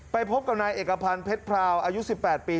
พบกับนายเอกพันธ์เพชรพราวอายุ๑๘ปี